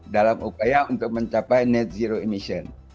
dalam upaya untuk mencapai net zero emission